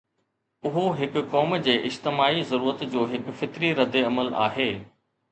اهو هڪ قوم جي اجتماعي ضرورت جو هڪ فطري ردعمل آهي.